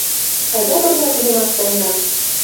Айда пырля тунемаш каена.